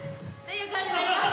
いう感じになります。